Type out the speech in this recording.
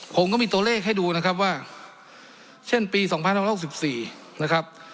ผมก็มีตัวเลขให้ดูนะครับว่าเช่นปีสองพันห้าหกสิบสี่นะครับ